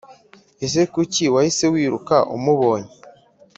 Ese kuki wahise wiruka umubonye